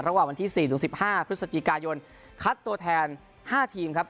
วันที่๔๑๕พฤศจิกายนคัดตัวแทน๕ทีมครับ